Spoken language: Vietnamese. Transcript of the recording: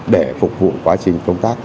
để phục vụ quá trình công tác